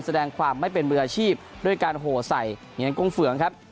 แสดงความไม่เป็นมืออาชีพด้วยการโหใส่เหงียนกุ้งเฟืองครับ